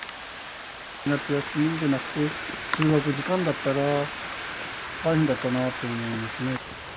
夏休みじゃなくて、通学時間だったら、大変だったなと思いますね。